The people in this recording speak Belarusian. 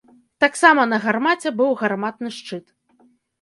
Таксама на гармаце быў гарматны шчыт.